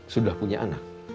sudah punya anak